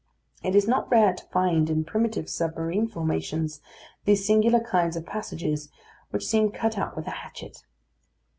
It is not rare to find in primitive submarine formations these singular kinds of passages, which seem cut out with a hatchet.